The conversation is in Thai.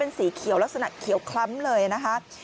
สีเขียวลักษณะเขียวคล้ำเลยนะคะ